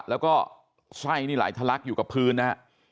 แล้วก็ไส้นี่ไหลทะลักอยู่กับพื้นนะฮะ